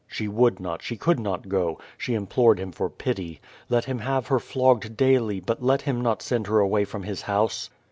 She would not, she could not go. She implored him for pity. Let him have her flogged daily, but let him not send her away from his house.